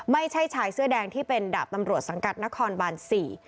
ไม่ใช่ชายเสื้อแดงที่เป็นดาบตำรวจสังกัดนครบานสี่